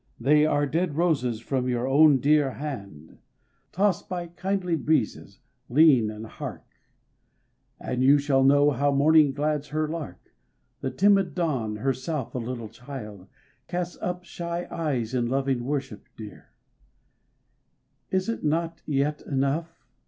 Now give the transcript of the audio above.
They are dead roses from your own dear land Tossed high by kindly breezes: lean, and hark, And you shall know how morning glads her lark! The timid Dawn, herself a little child Casts up shy eyes in loving worship dear, Is it not yet enough?